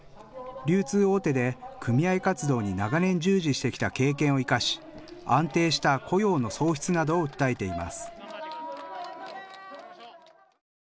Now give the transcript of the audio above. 流通大手で組合活動に長年、従事してきた経験を生かし、安定した雇用の創出などを訴えています。